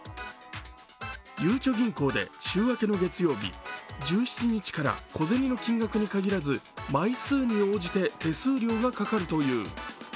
ゆうちょ銀行で週明けの月曜日、１７日から小銭の金額に限らず枚数に応じて手数料がかかるという。